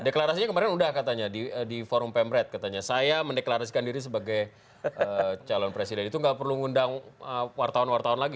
deklarasinya kemarin udah katanya di forum pemret katanya saya mendeklarasikan diri sebagai calon presiden itu gak perlu ngundang wartawan wartawan lagi